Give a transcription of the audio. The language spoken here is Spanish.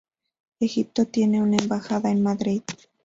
Egipto tiene una embajada en Madrid.